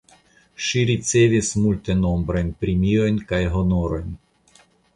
Ŝi ricevis multenombrajn premiojn kaj honorojn.